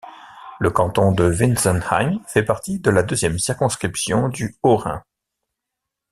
Le canton de Wintzenheim fait partie de la deuxième circonscription du Haut-Rhin.